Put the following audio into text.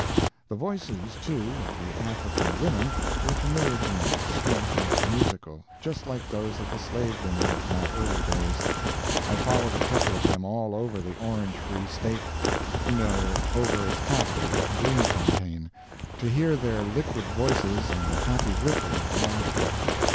The voices, too, of the African women, were familiar to me sweet and musical, just like those of the slave women of my early days. I followed a couple of them all over the Orange Free State no, over its capital Bloemfontein, to hear their liquid voices and the happy ripple of their laughter.